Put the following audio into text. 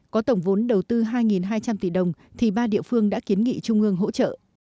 có tổng vốn đầu tư hai hai trăm linh tỷ đồng thì ba địa phương đã kiến nghị trung ương hỗ trợ